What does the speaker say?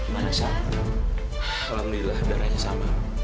m commonlyt aumenta sebelum menurutnya itu dia udah ada anak